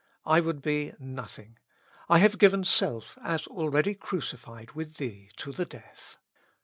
I would be nothing. I have given self, as already crucified with Thee, to the death.